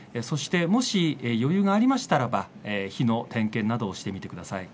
もし、余裕がありましたら火の点検などをしてみてください。